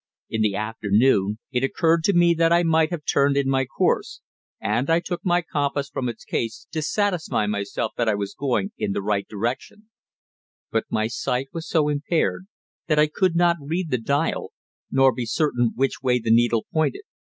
In the afternoon it occurred to me that I might have turned in my course, and I took my compass from its case, to satisfy myself that I was going in the right direction; but my sight was so impaired that I could not read the dial, nor be certain which way the needle pointed.